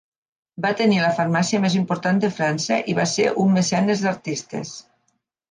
Va tenir la farmàcia més important de França i va ser un mecenes d'artistes.